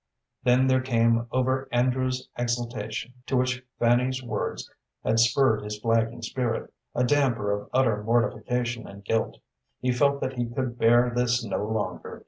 Then there came over Andrew's exaltation, to which Fanny's words had spurred his flagging spirit, a damper of utter mortification and guilt. He felt that he could bear this no longer.